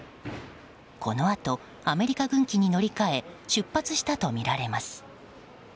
このあと、アメリカ軍機に乗り換え出発したとみられます。